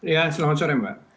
ya selamat sore mbak